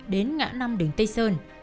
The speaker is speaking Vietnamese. đến ngã năm đỉnh tây sơn